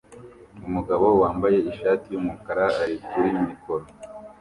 Umugabo wambaye ishati yumukara ari kuri mikoro